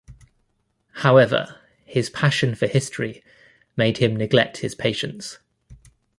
However his passion for history made him neglect his patients.